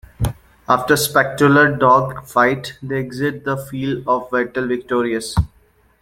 After a spectacular dogfight they exit the field of battle victorious.